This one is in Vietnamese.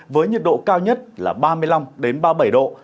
với nhiệt độ cao nhất là ba mươi năm đến ba mươi năm độ